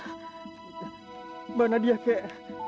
mbak nadia kak